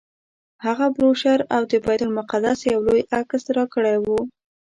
هغه بروشر او د بیت المقدس یو لوی عکس راکړی و.